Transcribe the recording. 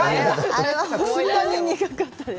あれは本当に苦かったですね。